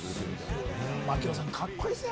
槙野さん、カッコいいですね。